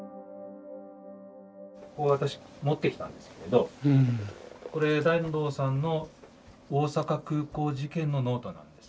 私持ってきたんですけれどこれ團藤さんの大阪空港事件のノートなんです。